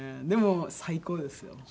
でも最高ですよ。